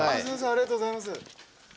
ありがとうございます。